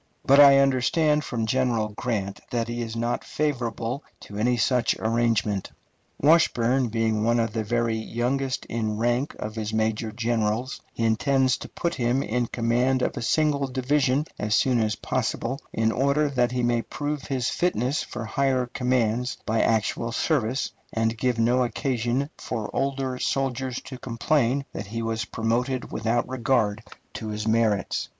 But I understand from General Grant that he is not favorable to any such arrangement. Washburn being one of the very youngest in rank of his major generals, he intends to put him in command of a single division as soon as possible, in order that he may prove his fitness for higher commands by actual service, and give no occasion for older soldiers to complain that he is promoted without regard to his merits.